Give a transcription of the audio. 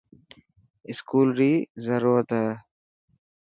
اسڪول ري ضرورت هي.